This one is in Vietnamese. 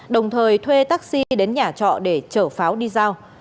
đồng thời thuê taxi đến nhà trọ để chở pháo đi giao